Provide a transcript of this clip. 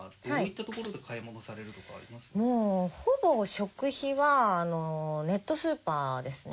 もうほぼ食費はネットスーパーですね。